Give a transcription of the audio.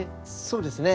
そうですねあの。